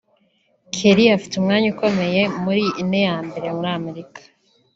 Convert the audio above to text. Kerry afite umwanya ukomeye muri ine ya mbere muri Amerika